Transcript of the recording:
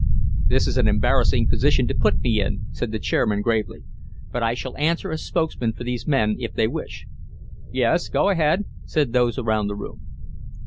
"This is an embarrassing position to put me in," said the chairman, gravely. "But I shall answer as spokesman for these men if they wish." "Yes. Go ahead," said those around the room.